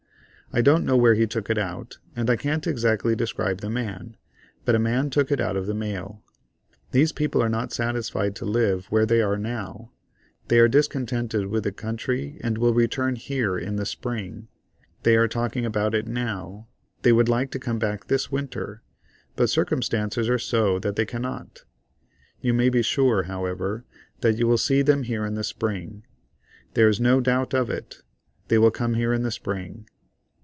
I don't know where he took it out, and I can't exactly describe the man, but a man took it out of the mail. These people are not satisfied to live where they are now; they are discontented with the country, and will return here in the Spring. They are talking about it now. They would like to come back this Winter, but circumstances are so that they cannot. You may be sure, however, that you will see them here in the Spring. There is no doubt of it; they will come here in the Spring.